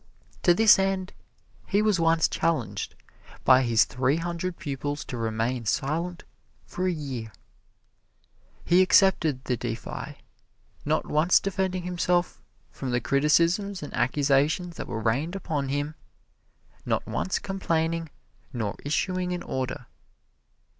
To this end he was once challenged by his three hundred pupils to remain silent for a year. He accepted the defi, not once defending himself from the criticisms and accusations that were rained upon him, not once complaining, nor issuing an order.